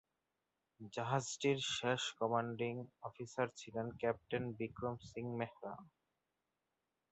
জাহাজটির শেষ commanding officer ছিলেন captain Vikram C Mehra.